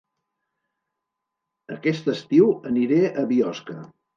Aquest estiu aniré a Biosca